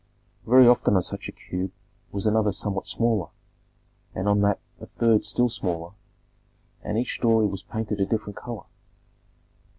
Very often on such a cube was another somewhat smaller, and on that a third still smaller, and each story was painted a different color.